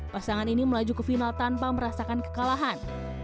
pasangan ini melaju ke final tanpa merasakan kekalahan